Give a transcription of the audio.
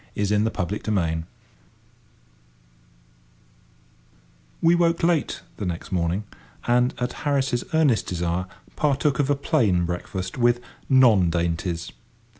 [Picture: Woman at housework] We woke late the next morning, and, at Harris's earnest desire, partook of a plain breakfast, with "non dainties."